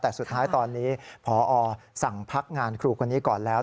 แต่สุดท้ายตอนนี้พอสั่งพักงานครูคนนี้ก่อนแล้ว